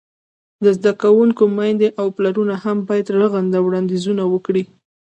د زده کوونکو میندې او پلرونه هم باید رغنده وړاندیزونه وکړي.